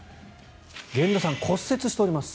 源田さん、骨折しております。